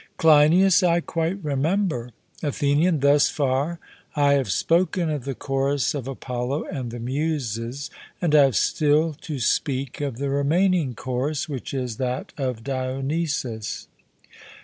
CLEINIAS: I quite remember. ATHENIAN: Thus far I have spoken of the chorus of Apollo and the Muses, and I have still to speak of the remaining chorus, which is that of Dionysus.